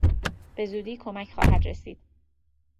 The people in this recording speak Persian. به زودی کمک خواهد رسید.